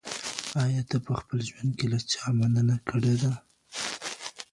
ایا ته په خپل ژوند کي له چا مننه کړې ده؟